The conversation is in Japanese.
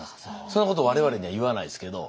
そんなこと我々には言わないですけど。